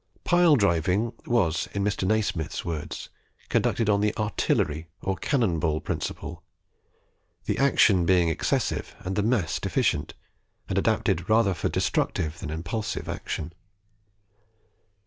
Pile driving was, in Mr. Nasmyth's words, conducted on the artillery or cannon ball principle; the action being excessive and the mass deficient, and adapted rather for destructive than impulsive action.